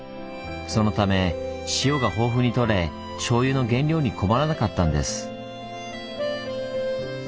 そのため塩が豊富にとれしょうゆの原料に困らなかったんです。